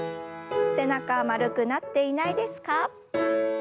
背中丸くなっていないですか？